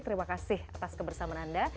terima kasih atas kebersamaan anda